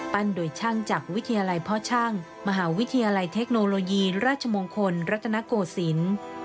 โดยช่างจากวิทยาลัยพ่อช่างมหาวิทยาลัยเทคโนโลยีราชมงคลรัตนโกศิลป์